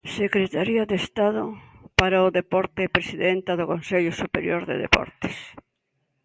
Secretaria de Estado para o Deporte e presidenta do Consello Superior de Deportes.